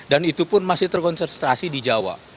dan itu pun masih terkonsentrasi di jawa